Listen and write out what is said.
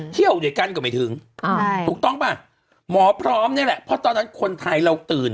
ใช่ประมาณ๒๕ล้าน